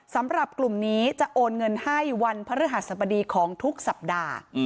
สำหรับกลุ่มนี้จะโอนเงินให้วันพระฤหัสบดีของทุกสัปดาห์